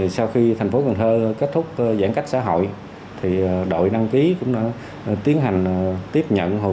sau khi thành phố cần thơ kết thúc giãn cách xã hội thì đội đăng ký cũng đã tiến hành tiếp nhận hồ